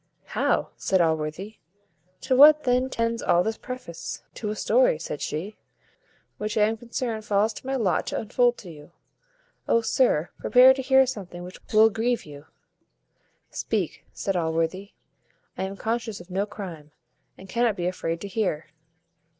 "How!" said Allworthy, "to what then tends all this preface?" "To a story," said she, "which I am concerned falls to my lot to unfold to you. O, sir! prepare to hear something which will surprize you, will grieve you." "Speak," said Allworthy, "I am conscious of no crime, and cannot be afraid to hear."